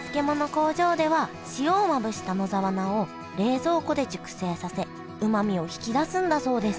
工場では塩をまぶした野沢菜を冷蔵庫で熟成させうまみを引き出すんだそうです